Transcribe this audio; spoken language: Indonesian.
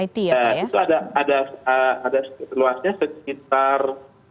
itu ada ada luasnya sekitar